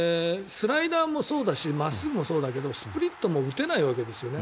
スライダーもそうだし真っすぐもそうだけどスプリットも打てないわけですね。